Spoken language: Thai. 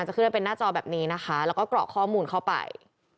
ขึ้นให้เป็นหน้าจอแบบนี้นะคะแล้วก็กรอกข้อมูลเข้าไป